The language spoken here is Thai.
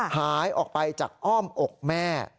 หายออกไปจากอ้อมอกแม่